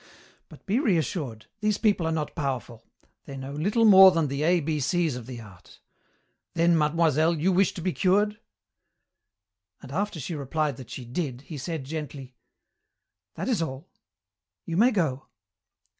But be reassured. These people are not powerful. They know little more than the A B C's of the art. Then, mademoiselle, you wish to be cured?' "And after she replied that she did, he said gently, 'That is all. You may go.'